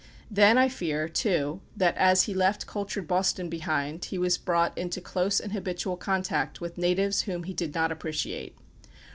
Then I fear, too, that as he left cultured Boston behind, he was brought into close and habitual contact with natives whom he did not appreciate.